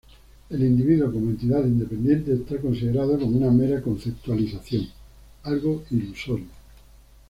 El individuo como entidad independiente es considerado como una mera conceptualización: algo ilusorio.